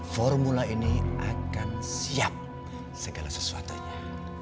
formula ini akan siap segala sesuatunya